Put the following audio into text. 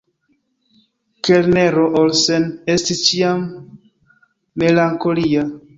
Kelnero Olsen estis ĉiam melankolia.